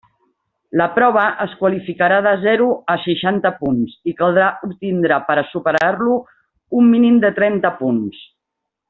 La prova es qualificarà de zero a seixanta punts, i caldrà obtindre per a superar-lo un mínim de trenta punts.